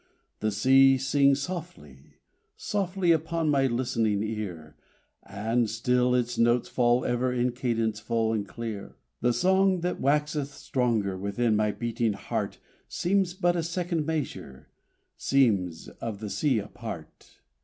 The sea sings softly, softly upon my listening ear, And still its notes fall ever in cadence full and clear. The song that waxeth stronger within my beating heart Seems but a second measure seems of the sea a part!